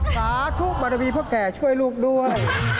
สาทุกข์มันจะมีพ่อแก่ช่วยลูกด้วย